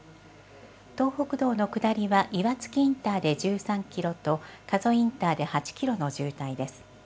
東北道の下りはいわつきインターで１３キロと、加須インターで８キロの渋滞です。